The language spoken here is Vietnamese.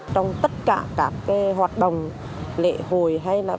trong tất cả các hoạt động lễ hội hay là